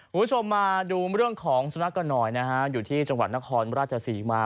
คุณผู้ชมมาดูเรื่องของสุนัขกันหน่อยนะฮะอยู่ที่จังหวัดนครราชศรีมา